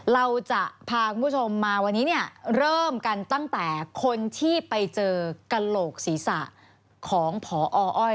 เราจะพาคุณผู้ชมมาวันนี้เนี่ยเริ่มกันตั้งแต่คนที่ไปเจอกระโหลกศีรษะของพออ้อย